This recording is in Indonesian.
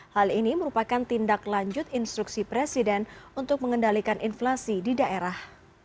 hal ini merupakan tindak lanjut instruksi presiden untuk mengendalikan inflasi di daerah